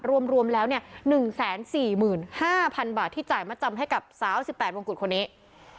รวมรวมแล้วเนี่ยหนึ่งแสนสี่หมื่นห้าพันบาทที่จ่ายมาจำให้กับสาวสิบแปดวงกุฎคนนี้